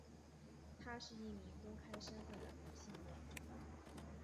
他是一名公开身份的同性恋者。